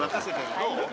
どう？